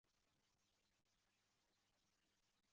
বুক ধূসর।